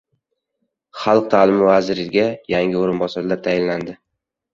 Xalq ta’limi vaziriga yangi o‘rinbosarlar tayinlandi